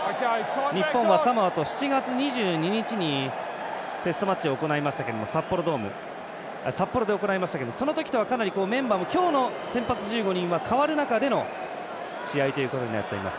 日本はサモアと７月２２日にテストマッチを行いましたけど札幌で行いましたけどもそのときとはメンバーも今日の先発１５人は変わる中での試合ということになります。